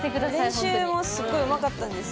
練習もすごいうまかったんです。